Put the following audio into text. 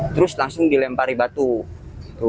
terus langsung dilempari batu